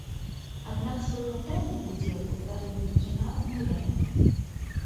Аднак свой фатальны ўдзел у здарэнні яна адмаўляе.